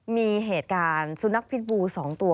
มีเหตุการณ์สุนัขพิษบู๒ตัว